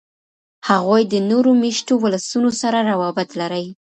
هغوی د نورو میشتو ولسونو سره روابط لري.